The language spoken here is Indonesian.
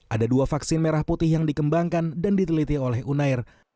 ada dua vaksin merah putih yang dikembangkan dan diteliti oleh unair